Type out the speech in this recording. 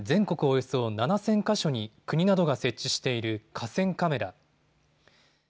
およそ７０００か所に国などが設置している河川カメラ。